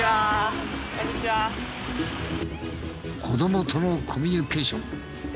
子供とのコミュニケーション。